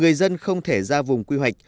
người dân không thể ra vùng quy hoạch